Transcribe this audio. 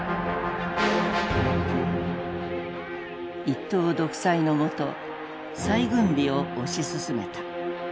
一党独裁のもと再軍備を推し進めた。